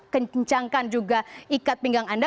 kencangkan juga ikat pinggang anda